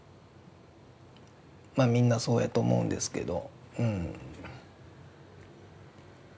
まあみんなそうやと思うんですけど。